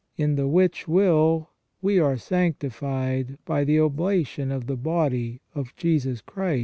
... In the which will, we are sanctified by the oblation of the body of Jesus Christ once."